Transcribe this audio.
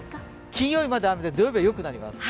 金曜日まで雨で、土曜日はよくなります。